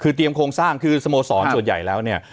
คือเตรียมโครงสร้างคือสโมสรส่วนใหญ่แล้วเนี่ย